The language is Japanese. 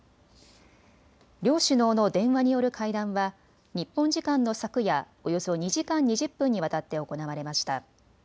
両首脳の電話による会談は日本時間の昨夜、およそ２時間２０分にわたって行われました。